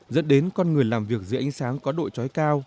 dẫn đến con người làm việc dưới ánh sáng có độ chói cao